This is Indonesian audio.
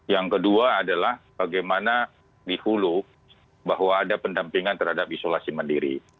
yang kedua adalah bagaimana di hulu bahwa ada pendampingan terhadap isolasi mandiri